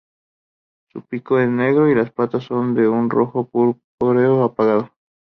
Su pico es negro y las patas son de un rojo purpúreo apagado.